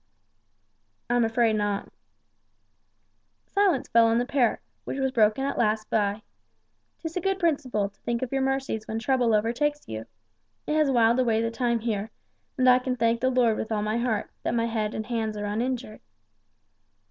"I am afraid not." Silence fell on the pair, which was broken at last by, "'Tis a good principle to think of your mercies when trouble overtakes you. It has whiled away the time here, and I can thank the Lord with all my heart, that my head and hands are uninjured!"